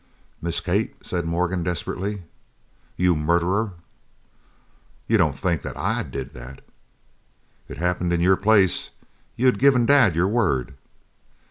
"Miss Kate!" said Morgan desperately. "You murderer!" "You don't think that I did that?" "It happened in your place you had given Dad your word!"